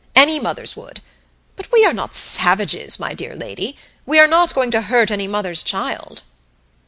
Any mothers would. But we are not savages, my dear lady; we are not going to hurt any mother's child."